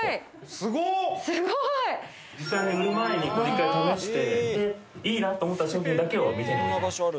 実際に売る前に１回試していいなと思った商品だけを店に置きます。